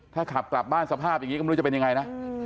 ถ้าขับกลับบ้านสภาพอย่างนี้ก็ไม่รู้จะเป็นยังไงนะ